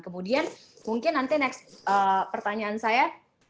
kemudian mungkin nanti next pertanyaan saya